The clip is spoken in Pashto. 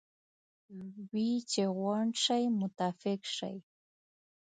وې چې غونډ شئ متفق شئ.